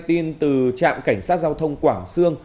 tin từ trạm cảnh sát giao thông quảng xương